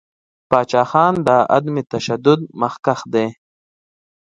پاچاخان د عدم تشدد مخکښ دی.